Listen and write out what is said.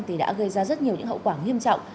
thì đã gây ra rất nhiều những hậu quả nghiêm trọng